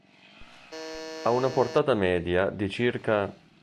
Ha una portata media di ca.